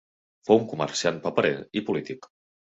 Fou un comerciant paperer i polític.